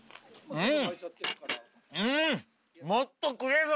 うん！